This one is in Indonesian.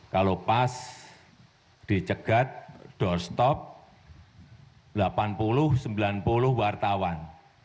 kalau pas dicegat doorstop delapan puluh sembilan puluh wartawan